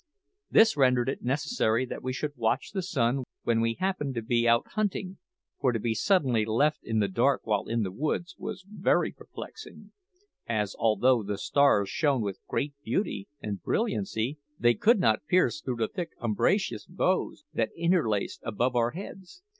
This rendered it necessary that we should watch the sun when we happened to be out hunting; for to be suddenly left in the dark while in the woods was very perplexing, as, although the stars shone with great beauty and brilliancy, they could not pierce through the thick umbrageous boughs that interlaced above our heads.